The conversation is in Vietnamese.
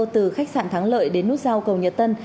từ khách sạn thắng lợi đến nút giao cầu nhật tân